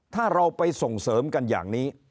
ถ้าเราไปส่งเสริมกันอย่างนี้